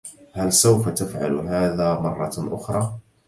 هل سوف تفعل هذا مرة أخرى؟